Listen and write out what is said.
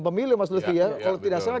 pemilu mas luthier kalau tidak salah